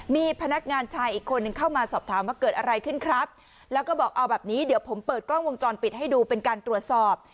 มีพนักงานชายอีกคนนึงเข้ามาสอบถามว่าเกิดอะไรขึ้นครับแล้วก็บอกเอาแบบนี้เดี๋ยวผมเปิดกล้องวงจรปิดให้ดูเป็นการตรวจสอบ